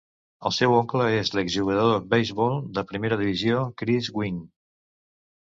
El seu oncle és l'exjugador beisbol de primera divisió Chris Gwynn.